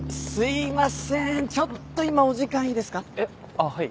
あぁはい。